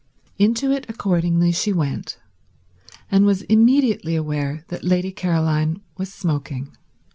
Into it accordingly she went, and was immediately aware that Lady Caroline was smoking.